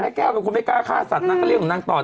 แม่แก้วกับคนไม่กล้าฆ่าสัตว์นางก็เรียกหนึ่งนางต่อ